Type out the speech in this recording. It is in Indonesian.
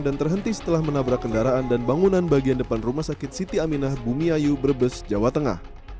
dan terhenti setelah menabrak kendaraan dan bangunan bagian depan rumah sakit siti aminah bumi ayu brebes jawa tengah